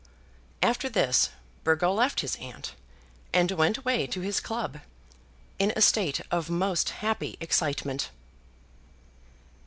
After this, Burgo left his aunt, and went away to his club, in a state of most happy excitement.